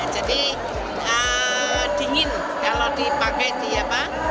jadi dingin kalau dipakai di apa